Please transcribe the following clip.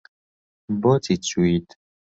بۆچی چویت؟